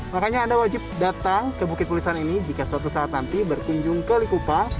makanya anda wajib datang ke bukit pulisan ini jika suatu saat nanti berkunjung ke likupa